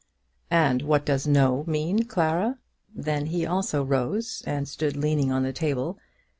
"And what does 'no' mean, Clara?" Then he also rose, and stood leaning on the table.